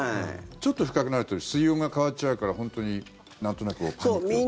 ちょっと深くなると水温が変わっちゃうからなんとなくパニックを起こしたりして。